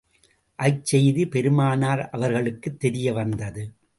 அச்செய்தி பெருமானார் அவர்களுக்குத் தெரிய வந்தது.